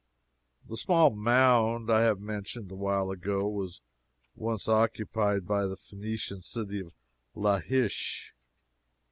The small mound I have mentioned a while ago was once occupied by the Phenician city of Laish.